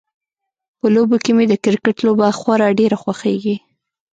په لوبو کې مې د کرکټ لوبه خورا ډیره خوښیږي